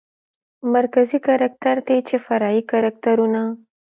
مرکزي کرکتر دى چې فرعي کرکترونه